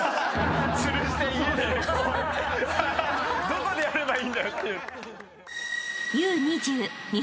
どこでやればいいんだよっていう。